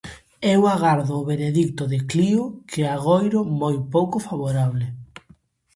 Eu agardo o veredicto de Clío, que agoiro moi pouco favorable.